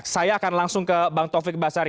saya akan langsung ke bang taufik basari